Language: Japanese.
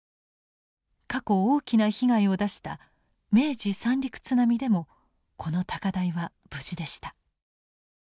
過去大きな被害を出した明治三陸津波でもこの高台は無事でした。